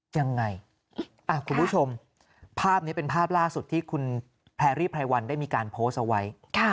ยังไงคุณผู้ชมภาพนี้เป็นภาพล่าสุดที่คุณแพรรี่ไพรวันได้มีการโพสต์เอาไว้